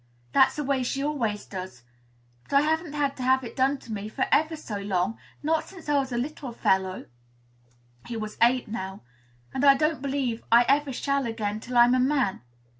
That's the way she always does. But I haven't had to have it done to me before for ever so long, not since I was a little fellow" (he was eight now); "and I don't believe I ever shall again till I'm a man."